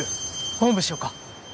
おんぶしようか？